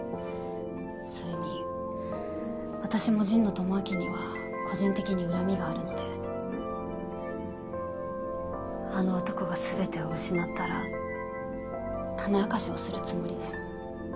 それに私も神野智明には個人的に恨みがあるのであの男が全てを失ったら種明かしをするつもりです